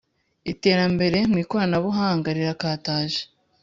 iterambere mwikorana bbuhanga rirakataje